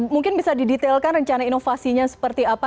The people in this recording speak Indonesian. mungkin bisa didetailkan rencana inovasinya seperti apa